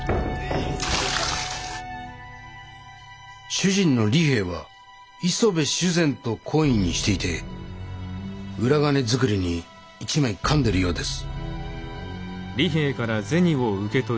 主人の利兵衛は磯部主膳と懇意にしていて裏金作りに一枚かんでるようです。